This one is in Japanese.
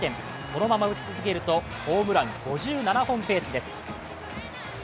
このまま打ち続けるとホームラン５７本ペースです。